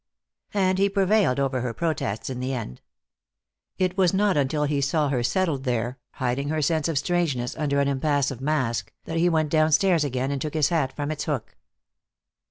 And he prevailed over her protests, in the end. It was not until he saw her settled there, hiding her sense of strangeness under an impassive mask, that he went downstairs again and took his hat from its hook.